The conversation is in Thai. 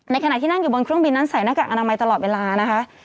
ขณะที่นั่งอยู่บนเครื่องบินนั้นใส่หน้ากากอนามัยตลอดเวลานะคะ